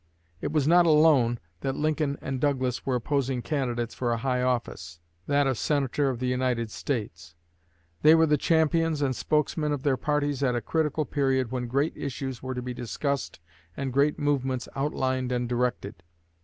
It was not alone that Lincoln and Douglas were opposing candidates for a high office that of Senator of the United States: they were the champions and spokesmen of their parties at a critical period when great issues were to be discussed and great movements outlined and directed.